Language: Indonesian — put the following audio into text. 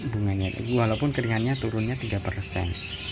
bunganya itu walaupun keringannya turunnya tiga persen